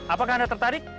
apakah anda tertarik